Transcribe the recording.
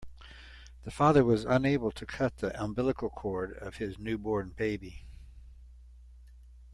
The father was unable to cut the umbilical cord of his newborn baby.